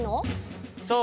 そう！